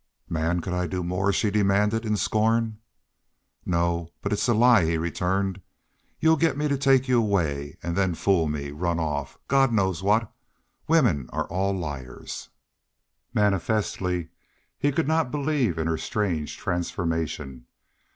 "Man, could I do more?" she demanded, in scorn. "No. But it's a lie," he returned. "Y'u'll get me to take y'u away an' then fool me run off God knows what. Women are all liars." Manifestly he could not believe in her strange transformation.